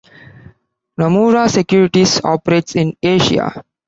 Nomura Securities operates in Asia.